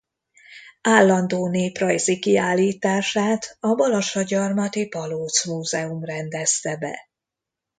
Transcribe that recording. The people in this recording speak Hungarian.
Állandó néprajzi kiállítását a balassagyarmati Palóc Múzeum rendezte be.